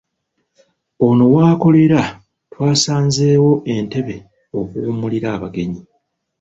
Ono w'akolera twasanzeewo entebe okuwummulira abagenyi.